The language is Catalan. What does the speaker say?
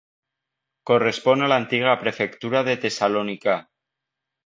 Correspon a l'antiga prefectura de Tessalònica.